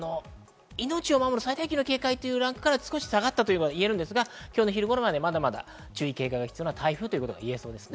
命を守る最大級の警戒というランクから下がったとはいえますが、今日の昼頃までまだまだ注意警戒が必要です。